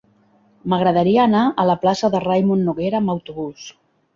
M'agradaria anar a la plaça de Raimon Noguera amb autobús.